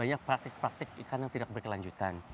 banyak praktik praktik ikan yang tidak berkelanjutan